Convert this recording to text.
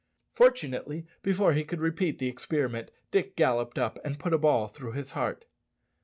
Fortunately, before he could repeat the experiment, Dick galloped up and put a ball through his heart.